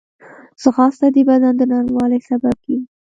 ځغاسته د بدن د نرموالي سبب کېږي